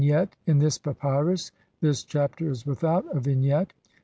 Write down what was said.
] Vignette : In this papyrus this Chapter is without a vignette.